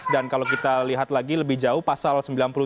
dan kalau kita lihat lagi lebih jauh pasal sembilan puluh tiga